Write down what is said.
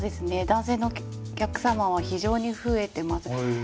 男性のお客様は非常に増えてます。